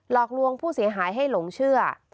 หลอกลวงผู้เสียหายให้หลงเชื่อ